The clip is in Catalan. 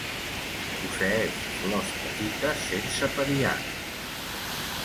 Posseeix flors petites sense periant.